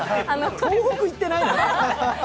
東北行ってない？